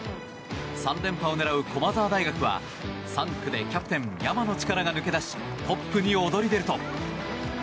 ３連覇を狙う駒澤大学は３区でキャプテン、山野力が抜け出しトップに躍り出ると。